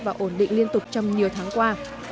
và ổn định liên tục trong nhiều tháng qua